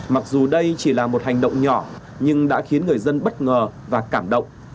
mặc dù đây chỉ là một hành động nhỏ nhưng đã khiến người dân bất ngờ và cảm động